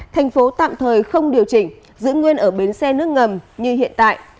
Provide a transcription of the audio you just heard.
thành phố tạm thời không điều chỉnh giữ nguyên ở bến xe nước ngầm như hiện tại